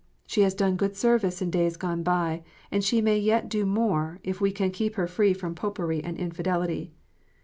She has done good service in days gone by, and she may yet do more, if we can keep her free from Popery and infidelity.